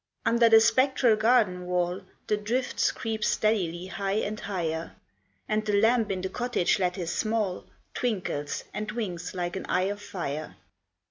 Under the spectral garden wall, The drifts creep steadily high and higher And the lamp in the cottage lattice small Twinkles and winks like an eye of fire.